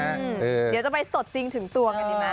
เดี๋ยวจะไปสดจริงถึงตัวกันดีไหม